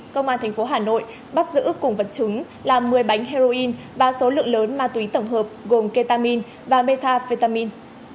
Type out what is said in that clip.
công an tp hà nội bắt giữ cùng vật chứng là một mươi bánh heroin và số lượng lớn ma túy tổng hợp gồm ketamin và metafetamin